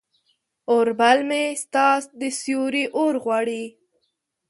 اوربل مې ستا د سیوري اورغواړي